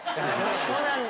そうなんだ。